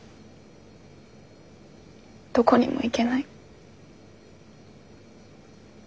どこにも行けない。